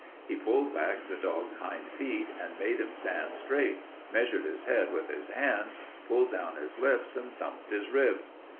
He pulled back the dog's hind feet and made him stand straight, measured his head with his hands, pulled down his lips, and thumped his ribs.